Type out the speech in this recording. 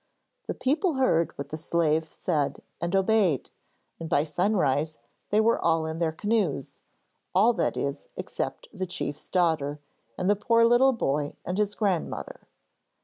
The people heard what the slave said and obeyed, and by sunrise they were all in their canoes all, that is, except the chief's daughter, and the poor little boy and his grandmother.